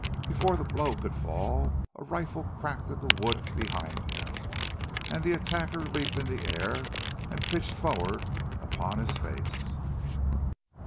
Before the blow could fall, a rifle cracked in the wood behind him, and the attacker leaped in the air, and pitched forward upon his face.